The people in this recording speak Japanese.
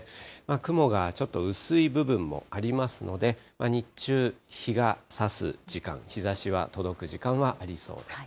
雲がちょっと薄い部分もありますので、日中、日がさす時間、日ざしは届く時間はありそうです。